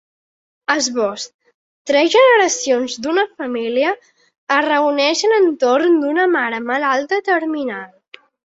Esbós: Tres generacions d’una família es reuneixen entorn d’una mare malalta terminal.